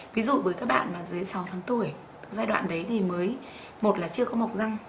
ví dụ với các bạn mà dưới sáu tháng tuổi giai đoạn đấy thì mới một là chưa có mọc răng